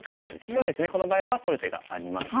そうですねこの場合は取る手があります。